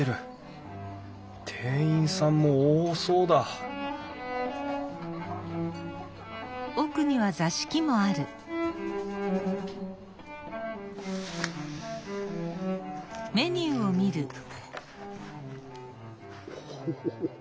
店員さんも多そうだオホホホ。